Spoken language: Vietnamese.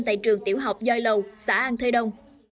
tại trường tiểu học doi lầu xã an thơi đông